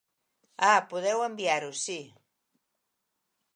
Ah podeu enviar-ho, sí.